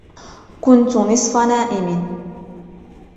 كُنتُ نِصفَ نائم